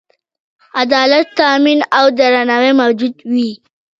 عدالت تأمین او درناوی موجود وي.